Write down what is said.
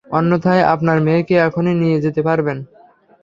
অন্যথায় আপনার মেয়েকে এখনই নিয়ে যেতে পারবেন।